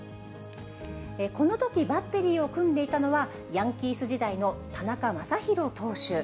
このとき、バッテリーを組んでいたのは、ヤンキース時代の田中将大投手。